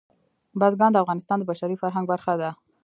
بزګان د افغانستان د بشري فرهنګ برخه ده.